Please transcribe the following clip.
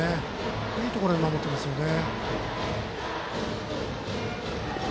いいところで守ってますよね。